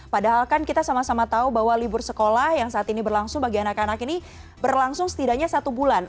padahal kan kita sama sama tahu bahwa libur sekolah yang saat ini berlangsung bagi anak anak ini berlangsung setidaknya satu bulan